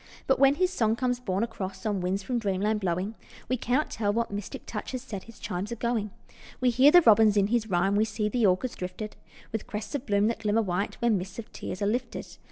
But when his song comes borne across On winds from dreamland blowing, We cannot tell what mystic touch Has set his chimes a going. We hear the robins in his rhyme, We see the orchards drifted With crests of bloom that glimmer white When mists of tears are lifted.